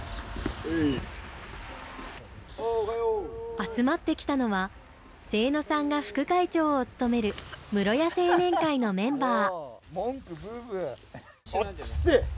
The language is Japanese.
集まってきたのは清野さんが副会長を務める室谷青年会のメンバー。